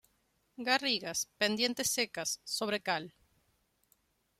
Garrigas, pendientes secas, sobre cal.